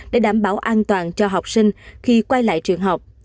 để đảm bảo an toàn cho học sinh khi quay lại trường học